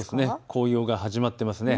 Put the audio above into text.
紅葉が始まっていますね。